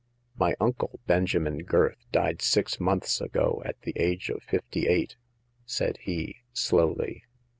" My uncle, Benjamin Gurth, died six months ago at the age of fifty eight," said he, slowly.